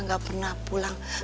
gak pernah pulang